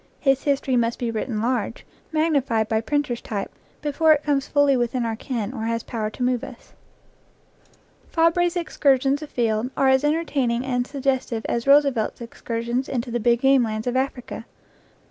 His his tory must be written large, magnified by printer's type, before it comes fully within our ken or has power to move us. Fabre's excursions afield are as entertaining and suggestive as Roosevelt's excursions into the big game lands of Africa.